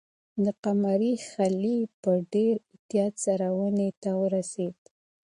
د قمرۍ خلی په ډېر احتیاط سره ونې ته ورسېد.